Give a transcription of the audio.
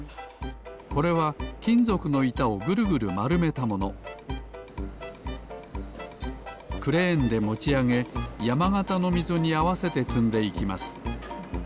これはきんぞくのいたをぐるぐるまるめたものクレーンでもちあげやまがたのみぞにあわせてつんでいきます